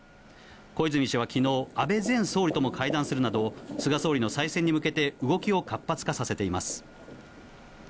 小泉氏はきのう、安倍前総理とも会談するなど菅総理の再選に向けて、動きを活発化させています。